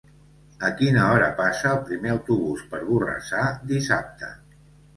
A quina hora passa el primer autobús per Borrassà dissabte?